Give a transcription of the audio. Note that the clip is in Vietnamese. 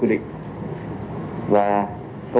công an thành phố